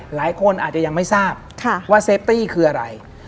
หลายคนอาจจะยังไม่ทราบว่าเซฟตี้คืออะไร